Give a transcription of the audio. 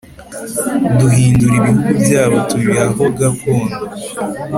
Duhind ra ibihugu byabo tubiha ho gakondo